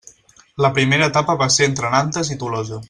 La primera etapa va ser entre Nantes i Tolosa.